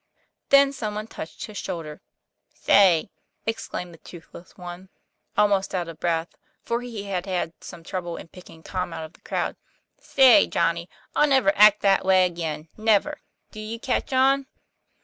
Then some one touched his shoulder. "Say," exclaimed the toothless one, almost out of 164 TOM PLA YFAIR. breath, for he had had some trouble in picking Tom out of the crowd, "say, Johnnie, I'll never act dat way again never. Do ye catch on